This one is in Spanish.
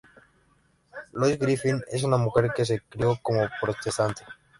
Lois Griffin es un mujer que se crio como protestante.